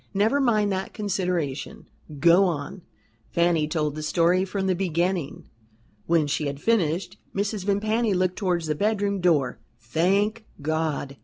Never mind that consideration go on." Fanny told the story from the beginning. When she had finished, Mrs. Vimpany looked towards the bedroom door. "Thank God!"